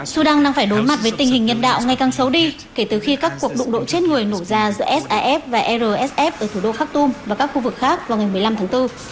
sudan đang phải đối mặt với tình hình nhân đạo ngày càng xấu đi kể từ khi các cuộc đụng độ chết người nổ ra giữa saf và rsf ở thủ đô khak tum và các khu vực khác vào ngày một mươi năm tháng bốn